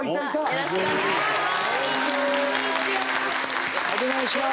よろしくお願いします！